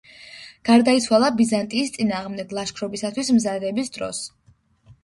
გარდაიცვალა ბიზანტიის წინააღმდეგ ლაშქრობისათვის მზადების დროს.